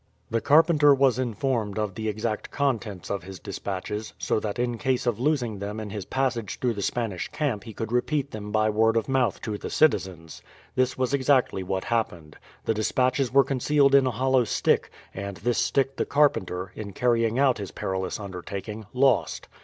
The carpenter was informed of the exact contents of his despatches, so that in case of losing them in his passage through the Spanish camp he could repeat them by word of mouth to the citizens. This was exactly what happened. The despatches were concealed in a hollow stick, and this stick the carpenter, in carrying out his perilous undertaking, lost.